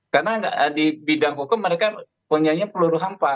karena di bidang hukum mereka punya peluru hampa